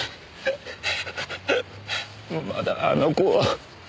まだあの子を。